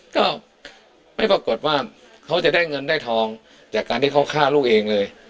ก็ไม่ปรากฏว่าเขาจะได้เงินได้ทองจากการที่เขาฆ่าลูกเองเลย